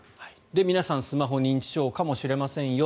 皆さんスマホ認知症かもしれませんよ